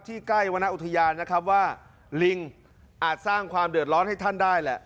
ใกล้วรรณอุทยานนะครับว่าลิงอาจสร้างความเดือดร้อนให้ท่านได้แหละ